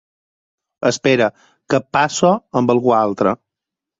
Espera, que et passo amb algú altre.